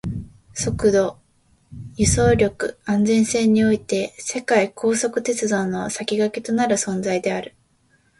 速度、輸送力、安全性において世界の高速鉄道の先駆けとなる存在である